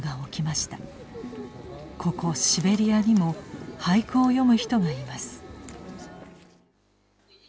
ここシベリアにも俳句を詠む人がいます。